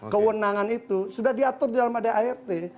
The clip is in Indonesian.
kewenangan itu sudah diatur di dalam adrt